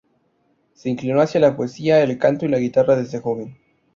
Se inclinó hacia la poesía, el canto y la guitarra desde joven.